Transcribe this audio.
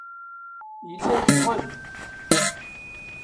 Yella yecɣel.